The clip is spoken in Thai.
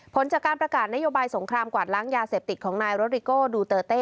ผลจากการประกาศนโยบายสงครามกวาดล้างยาเสพติดของนายโรดิโก้ดูเตอร์เต้